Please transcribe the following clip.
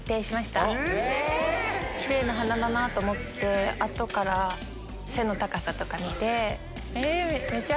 キレイな鼻だなぁと思って後から背の高さとか見て。